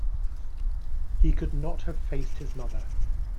He could not have faced his mother.